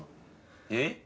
えっ？